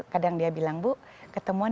kadang dia bilang bu ketemuan